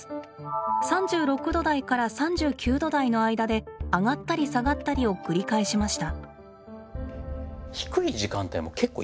３６度台から３９度台の間で上がったり下がったりを繰り返しました。